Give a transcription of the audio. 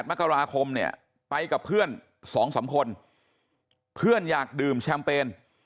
มกราคมเนี่ยไปกับเพื่อน๒๓คนเพื่อนอยากดื่มแชมเปญ